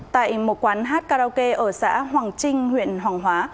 tại một quán karaoke ở xã hoàng trinh huyện hoàng hóa